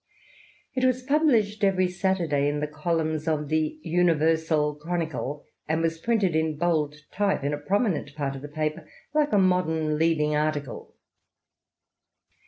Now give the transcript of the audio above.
It was published every Saturday in the columns of the Universal Chronicle^ and was printed in bold type in a prominent part of the paper, like a modern leading article.